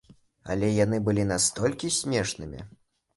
Але яны былі настолькі смешнымі!